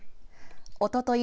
おととい